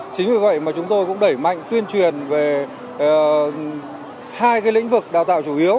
chính vì vậy mà chúng tôi cũng đẩy mạnh tuyên truyền về hai lĩnh vực đào tạo chủ yếu